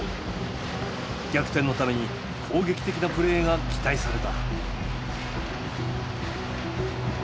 逆転のために攻撃的なプレーが期待された。